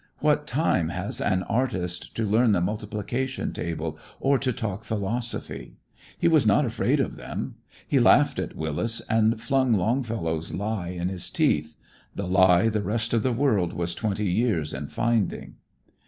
What time has an artist to learn the multiplication table or to talk philosophy? He was not afraid of them. He laughed at Willis, and flung Longfellow's lie in his teeth, the lie the rest of the world was twenty years in finding.